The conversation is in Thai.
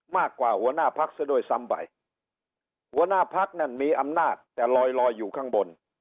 มากกว่าหัวหน้าพักซะโดยสำบัยหัวหน้าพักนั้นมีอำนาจแต่ลอยอยู่ข้างบน